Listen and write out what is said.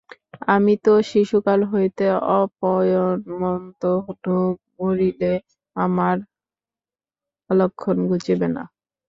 আমি তো শিশুকাল হইতেই অপয়মন্ত-নো মরিলে আমার অলক্ষণ ঘুচিবে না।